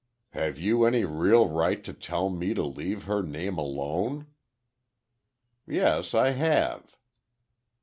"Have you any real right to tell me to leave her name alone?" "Yes, I have."